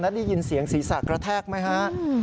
ได้ยินเสียงศีรษะกระแทกไหมฮะ